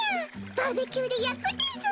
バーベキューで焼くです！